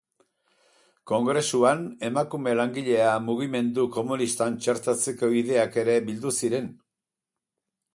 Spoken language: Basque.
Kongresuan emakume langile mugimendu komunistan txertatzeko ideiak ere bildu ziren.